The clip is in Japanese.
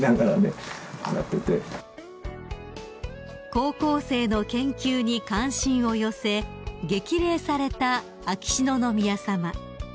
［高校生の研究に関心を寄せ激励された秋篠宮さま］